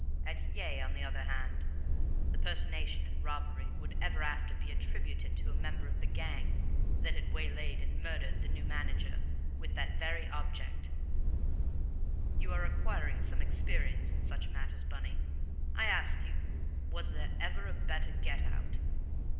At Yea, on the other hand, the personation and robbery would ever after be attributed to a member of the gang that had waylaid and murdered the new manager with that very object. You are acquiring some experience in such matters, Bunny. I ask you, was there ever a better get out?